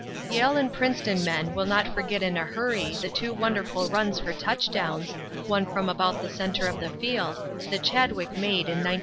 Yale and Princeton men will not forget in a hurry the two wonderful runs for touchdowns, one from about the center of the field, that Chadwick made in 1902.